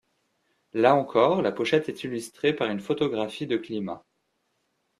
Là encore, la pochette est illustrée par une photographie de Klima.